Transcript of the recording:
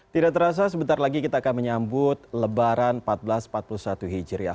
tidak terasa sebentar lagi kita akan menyambut lebaran seribu empat ratus empat puluh satu hijriah